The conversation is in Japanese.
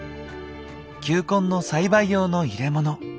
球根の栽培用の入れ物。